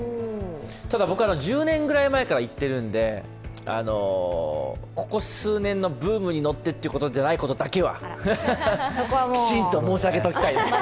ただ、僕は１０年ぐらい前から行ってるんでここ数年のブームに乗ってということだけではないことはきちんと申し上げておきたい。